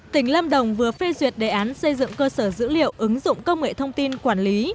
tỉnh lâm đồng vừa phê duyệt đề án xây dựng cơ sở dữ liệu ứng dụng công nghệ thông tin quản lý